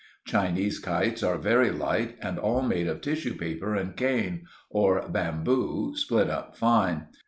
Chinese kites are very light, and all made of tissue paper and cane, or bamboo, split up fine.